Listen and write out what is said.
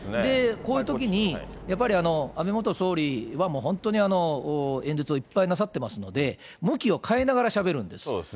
こういうときに、やっぱり安倍元総理は本当に演説をいっぱいなさってますので、向きを変えながらしゃべるんです。